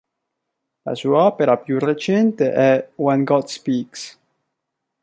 La sua opera più recente è "When God Speaks".